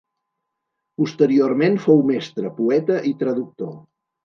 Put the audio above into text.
Posteriorment fou mestre, poeta i traductor.